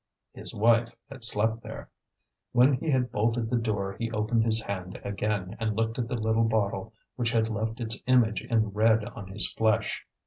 His wife had slept there! When he had bolted the door he opened his hand again and looked at the little bottle which had left its image in red on his flesh.